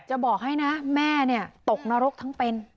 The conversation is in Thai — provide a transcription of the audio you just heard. จะบอกให้นะแม่ตกนรกทั้งเป็น